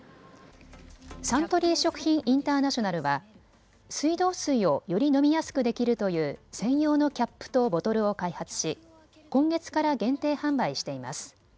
サントリー食品インターナショナルは水道水をより飲みやすくできるという専用のキャップとボトルを開発し今月から限定販売しています。